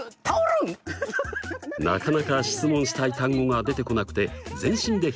なかなか質問したい単語が出てこなくて全身で表現。